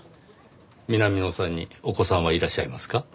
南野さんにお子さんはいらっしゃいますか？